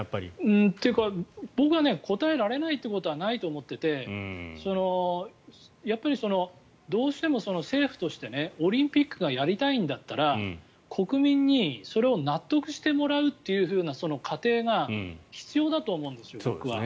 というか僕は答えられないことはないと思っていてどうしても政府としてオリンピックがやりたいんだったら国民にそれを納得してもらうという過程が必要だと思うんですよ、僕は。